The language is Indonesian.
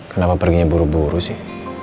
kenapa perginya buru buru sih